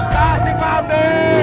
kasih pak amdi